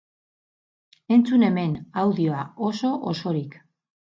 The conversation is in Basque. Entzun hemen, audioa oso-osorik.